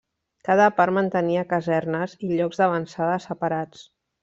Cada part mantenia casernes i llocs d'avançada separats.